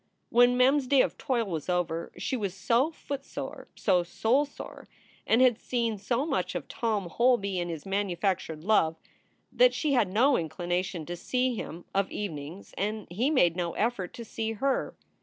When Mem s day of toil was over she was so footsore, so soulsore, and had seen so much of Tom Holby and his manufactured love, that she had no inclination to see him of evenings, and he made no effort to see her.